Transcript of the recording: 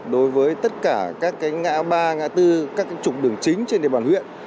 đối với tất cả các cái ngã ba ngã tư các cái trục đường chính trên địa bàn huyện